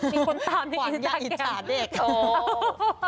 มีคนตามในอิจจาเกียรติความยากอิจฉาเด็กโอ้โห